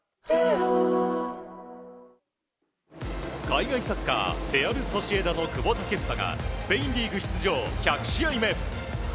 海外サッカーレアル・ソシエダの久保建英がスペインリーグ出場１００試合目。